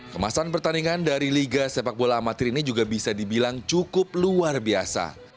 kemasan pertandingan dari liga sepak bola amatir ini juga bisa dibilang cukup luar biasa